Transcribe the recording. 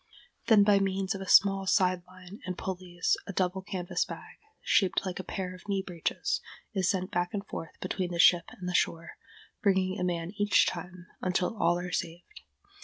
Then by means of a small side line and pulleys a double canvas bag, shaped like a pair of knee breeches, is sent back and forth between the ship and the shore, bringing a man each time, until all are saved.